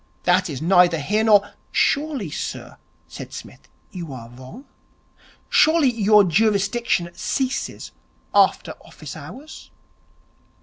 'That is neither here nor ' 'Surely, sir,' said Psmith, 'you are wrong? Surely your jurisdiction ceases after office hours?